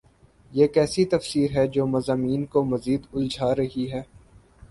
یہ کیسی تفسیر ہے جو مضامین کو مزید الجھا رہی ہے؟